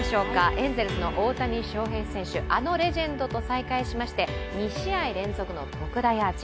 エンゼルスの大谷翔平選手、あのレジェンドと再会しまして２試合連続の特大アーチ。